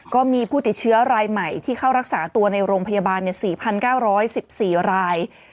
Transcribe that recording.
ก็มีผู้ติดเชื้อรายใหม่ที่เข้ารักษาตัวในโรงพยาบาล๔๙๑๔ราย